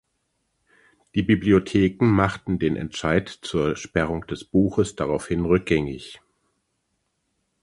Die Bibliotheken machten den Entscheid zur Sperrung des Buches daraufhin rückgängig.